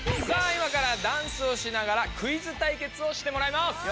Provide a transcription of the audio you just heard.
さあいまからダンスをしながらクイズ対決をしてもらいます！